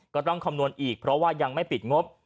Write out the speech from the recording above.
ก็ต้องคำนวณอีกเพราะว่ายังไม่ปิดงบ